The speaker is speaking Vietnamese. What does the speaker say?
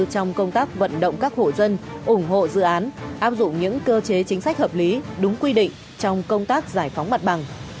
trong công tác vận động các hộ dân ủng hộ dự án áp dụng những cơ chế chính sách hợp lý đúng quy định trong công tác giải phóng mặt bằng